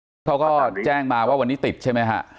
เขาก็แจ้งมาว่าวันนี้ติดใช่ไหมฮะ